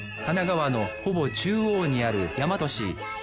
神奈川のほぼ中央にある大和市。